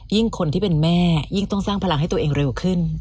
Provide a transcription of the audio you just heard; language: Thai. คนที่เป็นแม่ยิ่งต้องสร้างพลังให้ตัวเองเร็วขึ้น